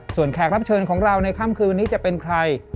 ส่วนแขกรับเชิญของเราในค่ำคืนวันนี้จะเป็นใคร